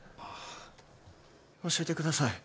教えてください。